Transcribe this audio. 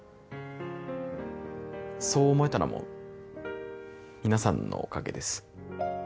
そう思えたのも皆さんのおかげです。